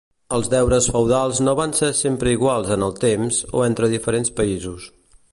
Els Deures feudals no van ser sempre iguals en el temps o entre diferents països.